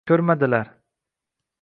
Ko’rmadilar